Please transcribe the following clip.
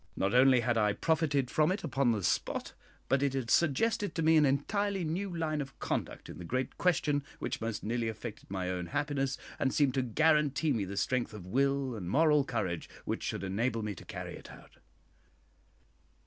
Not only had I profited from it upon the spot, but it had suggested to me an entirely new line of conduct in the great question which most nearly affected my own happiness, and seemed to guarantee me the strength of will and moral courage which should enable me to carry it out.